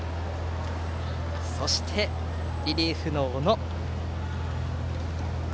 そしてリリーフの小野。